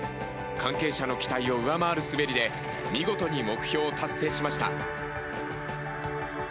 関係者の期待を上回る滑りで見事に目標を達成しました。